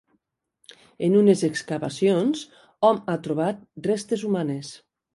En unes excavacions hom ha trobat restes humanes.